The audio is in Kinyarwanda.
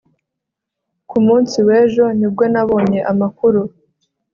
Ku munsi wejo ni bwo nabonye amakuru